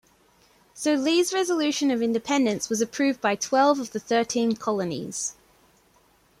So Lee's resolution of independence was approved by twelve of the thirteen colonies.